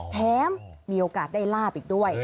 มีโอกาสได้ลาบอีกด้วย